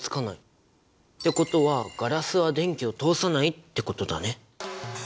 ってことはガラスは電気を通さないってことだね。